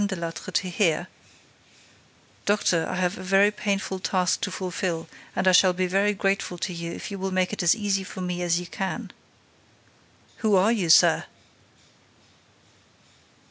Delattre to hear: "Doctor, I have a very painful task to fulfil and I shall be very grateful to you if you will make it as easy for me as you can." "Who are you, sir?"